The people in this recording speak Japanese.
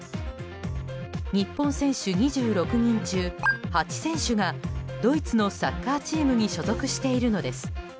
日本選手２６人中８選手がドイツのサッカーチームに所属しているのです。